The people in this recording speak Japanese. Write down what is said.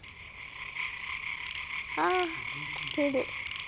あ来てる。